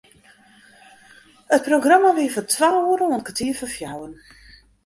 It programma wie fan twa oere oant kertier foar fjouweren.